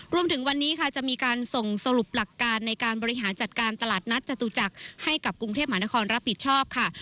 รวมถึงวันนี้ค่ะจะมีการส่งสรุปหลักการในการบริหารจัดการตลาดนัดจตุจักรให้กับกรุงเทพมหานครรับผิดชอบค่ะ